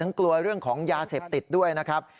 กลัวเรื่องของยาเสพติดด้วยนะครับ